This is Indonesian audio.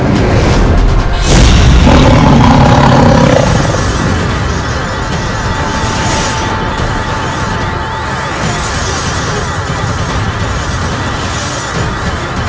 rai jangan berlalu